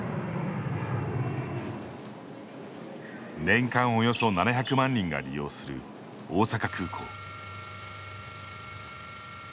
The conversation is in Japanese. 年間およそ７００万人が利用する大阪空港。